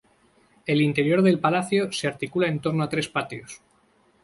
El interior del Palacio se articula en torno a tres patios.